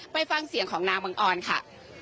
ไปฟังเสียงของนางบังออนค่ะ